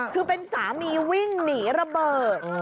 คือเป็นสามีวิ่งหนีระเบิด